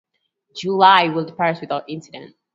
July would pass without incident.